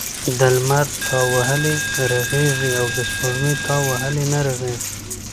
د لمر تاو وهلی رغیږي او دسپوږمۍ تاو وهلی نه رغیږی .